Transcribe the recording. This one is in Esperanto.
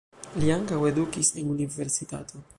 Li ankaŭ edukis en universitato.